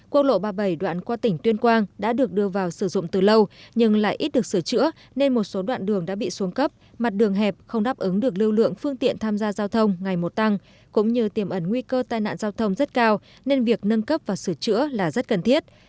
quốc lộ ba mươi bảy đoạn qua tỉnh tuyên quang đã được đưa vào sử dụng từ lâu nhưng lại ít được sửa chữa nên một số đoạn đường đã bị xuống cấp mặt đường hẹp không đáp ứng được lưu lượng phương tiện tham gia giao thông ngày một tăng cũng như tiềm ẩn nguy cơ tai nạn giao thông rất cao nên việc nâng cấp và sửa chữa là rất cần thiết